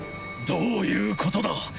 どういうことだ！？